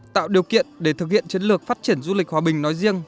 tạo điều kiện để thực hiện chiến lược phát triển du lịch hòa bình nói riêng